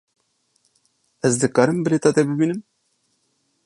Ez dikarim bilêta te bibînim?